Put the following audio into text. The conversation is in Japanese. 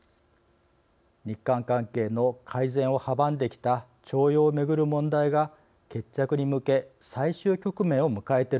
日韓関係の改善を阻んできた徴用を巡る問題が決着に向け最終局面を迎えている